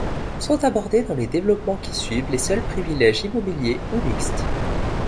Sont abordés dans les développements qui suivent les seuls privilèges immobiliers ou mixtes.